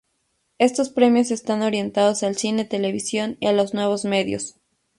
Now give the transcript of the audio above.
Estos premios, están orientados al cine, televisión, y a los nuevos medios.